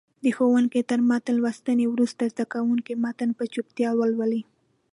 د ښوونکي تر متن لوستنې وروسته زده کوونکي متن په چوپتیا ولولي.